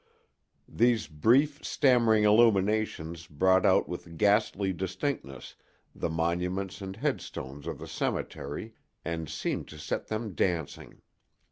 These brief, stammering illuminations brought out with ghastly distinctness the monuments and headstones of the cemetery and seemed to set them dancing.